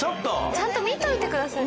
ちゃんと見ておいてください！